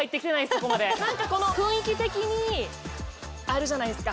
そこまで何かこの雰囲気的にあるじゃないですか